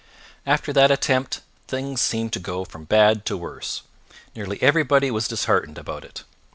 After that attempt things seemed to go from bad to worse. Nearly everybody was disheartened about it.